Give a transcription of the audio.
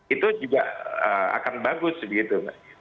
itu juga akan bagus begitu